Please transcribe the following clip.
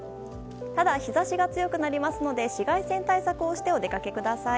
ただ、日差しが強くなりますので紫外線対策をしてお出かけください。